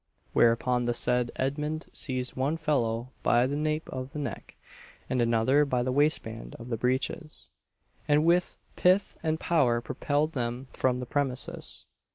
Whereupon the said Edmund seized one fellow by the nape of the neck, and another by the waistband of his breeches, and with pith and power propelled them from the premises.